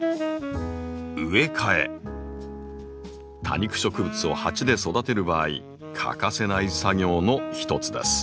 多肉植物を鉢で育てる場合欠かせない作業のひとつです。